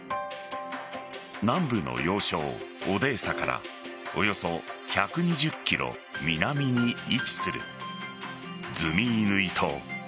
南部の要衝・オデーサからおよそ１２０ｋｍ南に位置するズミイヌイ島。